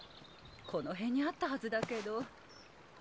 この辺にあったはずだけど。